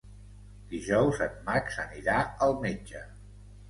Dijous en Max anirà al metge.